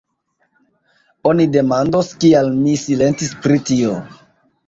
Oni demandos, kial mi silentis pri tio.